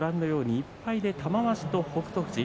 １敗で玉鷲と北勝富士